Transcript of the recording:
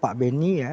pak beni ya